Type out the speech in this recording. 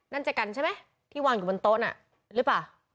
นั่นเจอกันใช่ไหมที่วางอยู่บนโต๊ะน่ะหรือเปล่า